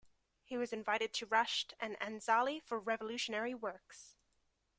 He was invited to Rasht and Anzali for revolutionary works.